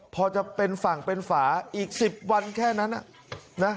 พอจะเป็นฝั่งเป็นฝาอีก๑๐วันแค่นั้นนะ